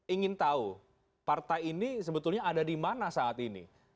ingin tahu partai ini sebetulnya ada di mana saat ini